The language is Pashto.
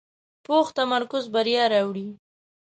پوخ تمرکز بریا راوړي